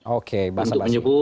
oke bahasa basi